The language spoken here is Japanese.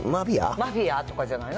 マフィアとかじゃないの？